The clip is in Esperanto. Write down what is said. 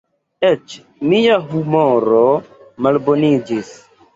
Eĉ mia humoro malboniĝis.